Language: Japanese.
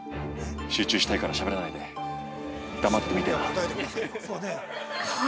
集中したいからしゃべらないで、黙って見てな。